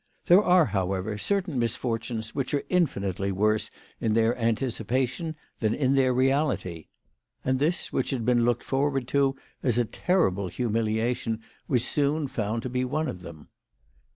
There are, however, certain misfortunes which are infinitely worse in their anticipa 92 WHY FRAU FROHMANN RAISED HER PRICES. tioii than in their reality ; and this, which had been looked forward to as a terrible humiliation, was soon found to be one of them.